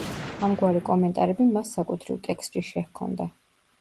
ამგვარი კომენტარები მას საკუთრივ ტექსტში შეჰქონდა.